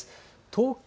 東京